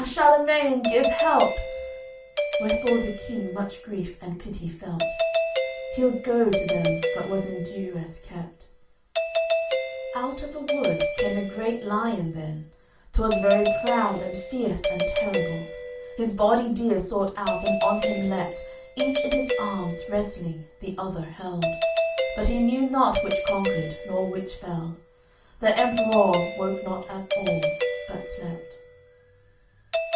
Charlemagne, give help!" Wherefore the King much grief and pity felt, He'ld go to them but was in duress kept: Out of a wood came a great lion then, 'Twas very proud and fierce and terrible; His body dear sought out, and on him leapt, Each in his arms, wrestling, the other held; But he knew not which conquered, nor which fell. That Emperour woke not at all, but slept.